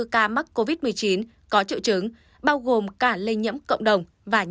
ca mắc covid một mươi chín có triệu chứng bao gồm ca lây nhiễm cộng đồng và nhập cạnh